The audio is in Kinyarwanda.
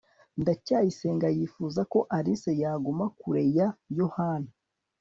ndacyayisenga yifuza ko alice yaguma kure ya yohana